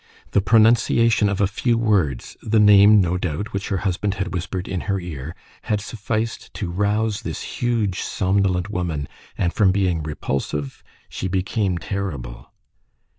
The pronunciation of a few words, the name, no doubt, which her husband had whispered in her ear, had sufficed to rouse this huge, somnolent woman, and from being repulsive she became terrible.